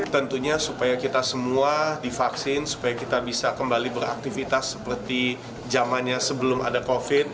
tentunya supaya kita semua divaksin supaya kita bisa kembali beraktivitas seperti zamannya sebelum ada covid